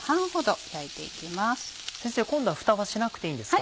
先生今度はふたはしなくていいんですか？